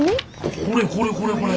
これこれこれこれ。